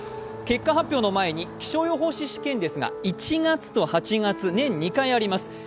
結果発表の前に、気象予報士試験ですが、１月と８月、年２回あります。